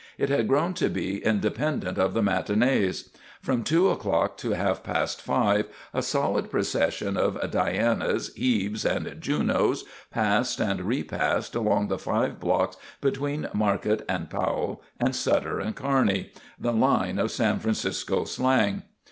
It had grown to be independent of the matinees. From two o'clock to half past five, a solid procession of Dianas, Hebes and Junos passed and repassed along the five blocks between Market and Powell and Sutter and Kearney the "line" of San Francisco slang.